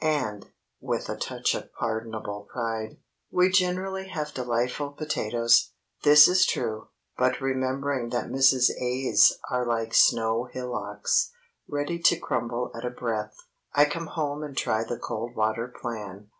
And—" with a touch of pardonable pride—"we generally have delightful potatoes." This is true, but remembering that Mrs. A.'s are like snow hillocks, ready to crumble at a breath, I come home and try the cold water plan.